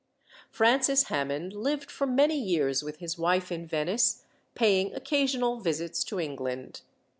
Francis Hammond lived for many years with his wife in Venice, paying occasional visits to England.